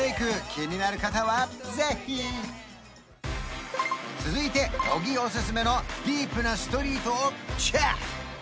気になる方はぜひ続いて小木おすすめのディープなストリートをチェック！